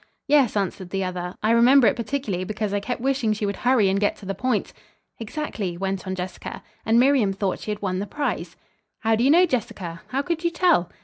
"Yes," answered the other; "I remember it particularly, because I kept wishing she would hurry and get to the point." "Exactly," went on Jessica, "and Miriam thought she had won the prize." "How do you know, Jessica! How could you tell?"